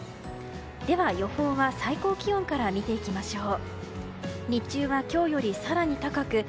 では予報は最高気温から見ていきましょう。